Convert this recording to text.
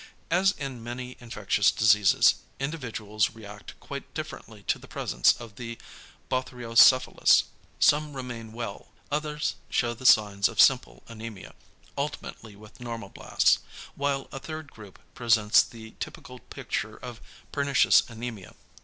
As in many infectious diseases, individuals react quite differently to the presence of the Bothriocephalus. Some remain well; others show the signs of simple anæmia, ultimately with normoblasts; whilst a third group presents the typical picture of pernicious anæmia.